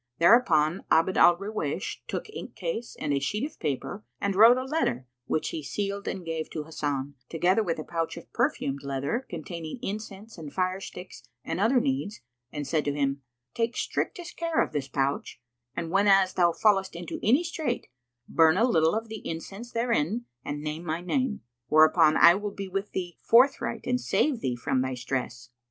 Thereupon Abd al Ruwaysh took inkcase and a sheet of paper and wrote a letter, which he sealed and gave to Hasan, together with a pouch of perfumed leather,[FN#116] containing incense and fire sticks[FN#117] and other needs, and said to him, "Take strictest care of this pouch, and whenas thou fallest into any strait, burn a little of the incense therein and name my name, whereupon I will be with thee forthright and save thee from thy stress."